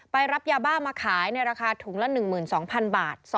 รับยาบ้ามาขายในราคาถุงละ๑๒๐๐๐บาท